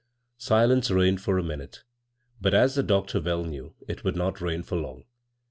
Silence reigned for a minute, but, as the doctor well knew, it would not reign for long.